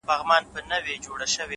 د تجربې ښوونه ژوره اغېزه لري,